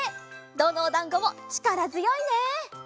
どのおだんごもちからづよいね！